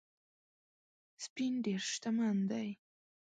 سپین ډېر شتمن دی